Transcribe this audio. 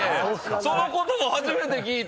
その言葉初めて聞いた。